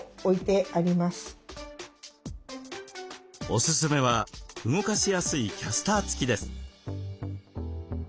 おすすめは動かしやすいキャスター付きです。